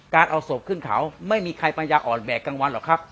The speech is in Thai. เอาศพขึ้นเขาไม่มีใครปัญญาอ่อนแบกกลางวันหรอกครับ